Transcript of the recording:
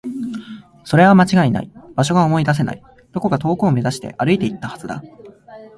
それは間違いない。場所が思い出せない。どこか遠くを目指して歩いていったはずだ。